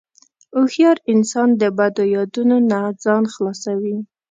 هوښیار انسان د بدو یادونو نه ځان خلاصوي.